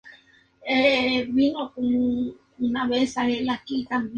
Antes de ser actriz, trabajó como modelo y cocinera.